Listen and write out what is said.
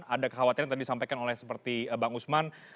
ada kekhawatiran tadi disampaikan oleh seperti bang usman